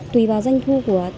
tùy vào doanh thu